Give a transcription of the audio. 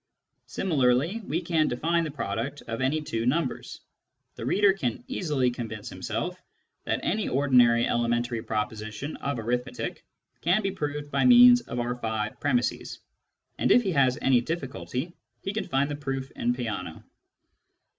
Similarly we can define the product of any two numbers. The reader can easily convince himself that any ordinary elementary proposition of arithmetic can be proved by means of our five premisses and if he has any difficulty he can find the proof in Peano.